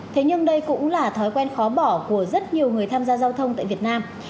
thế nhưng đây cũng là thói quen khó bỏ của rất nhiều người tham gia giao cắt